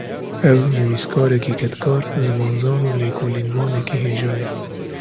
Ew, nivîskarekî kedkar, zimanzan û lêkolînvanekî hêja ye